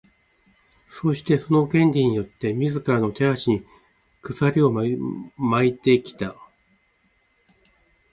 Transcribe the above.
そして、その「権利」によって自らの手足に鎖を巻いてきた。